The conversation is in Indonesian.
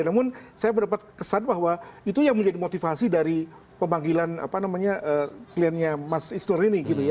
namun saya mendapat kesan bahwa itu yang menjadi motivasi dari pemanggilan apa namanya kliennya mas isnur ini gitu ya